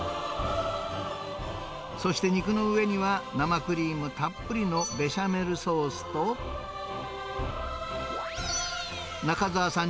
そして肉の上には、生クリームたっぷりのベシャメルソースと、中澤さん